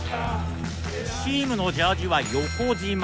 チームのジャージは、横じま。